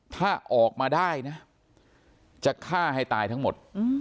ถ้าออกมาได้นะจะฆ่าให้ตายทั้งหมด